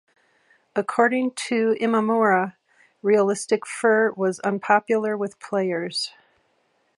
According to Imamura, realistic fur was unpopular with players.